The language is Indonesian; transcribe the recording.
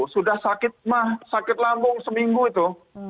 sudah sakit mah sakit lambung seminggu itu